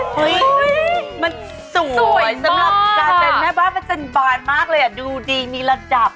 สวยมากสำหรับการเป็นแม่บ้านมันเป็นบ้านมากเลยอะดูดีมีระดับ